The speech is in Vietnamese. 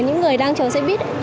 những người đang chở xe buýt